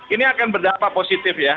ini akan berdampak positif ya